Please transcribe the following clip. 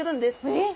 えっ！？